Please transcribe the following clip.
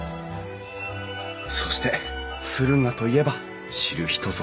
そして敦賀といえば知る人ぞ知る